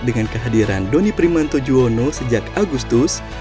dengan kehadiran doni primanto juwono sejak agustus